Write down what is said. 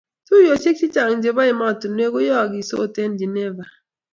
tuiyosiek chechang chebo emotinwek koyookisot eng Geneva